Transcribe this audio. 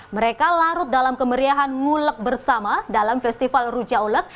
mereka larut dalam kemeriahan ngulek bersama dalam festival rujak ulek